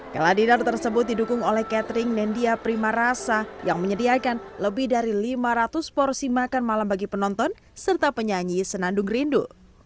keladinar tersebut didukung oleh catering nendia primarasa yang menyediakan lebih dari lima ratus porsi makan malam bagi penonton serta penyanyi senandung rindu